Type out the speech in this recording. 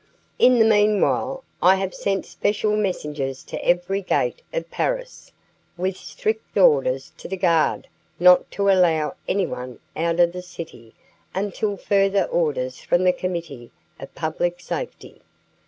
In the meanwhile, I have sent special messengers to every gate of Paris with strict orders to the guard not to allow anyone out of the city until further orders from the Committee of Public Safety.